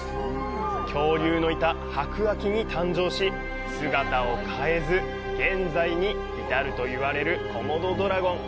恐竜のいた白亜紀に誕生し、姿を変えず現在に至ると言われるコモドドラゴン。